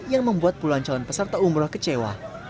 yang membuat puluhan calon peserta umroh kecewa